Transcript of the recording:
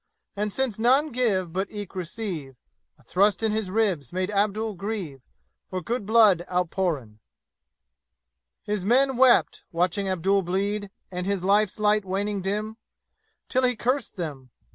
And since none give but eke receive, A thrust in his ribs made Abdul grieve For good blood outpourin'. His men wept, watching Abdul bleed And life's light waning dim, Till he cursed them.